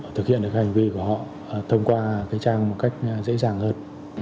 thực hiện được hành vi của họ thông qua cái trang một cách dễ dàng hơn